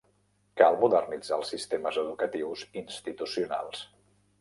Cal modernitzar els sistemes educatius institucionals.